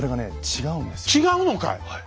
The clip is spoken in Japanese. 違うのかい！